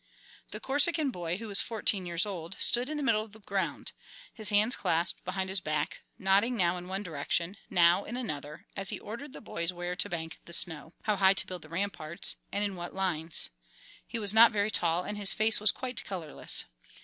The Corsican boy, who was fourteen years old, stood in the middle of the ground, his hands clasped behind his back, nodding now in one direction, now in another, as he ordered the boys where to bank the snow, how high to build the ramparts, and in what lines. He was not very tall and his face was quite colorless.